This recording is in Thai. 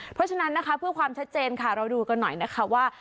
เพราะฉะนั้นนะคะเพื่อความชัดเจนค่ะเราดูกันหน่อยนะคะว่า